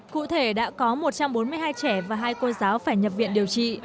cụ thể đã có một trăm bốn mươi hai trẻ và hai cô giáo phải nhập viện điều trị